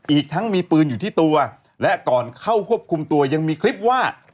อีกทั้งมีปืนอยู่ที่ตัวและก่อนเข้าควบคุมตัวยังมีคลิปว่า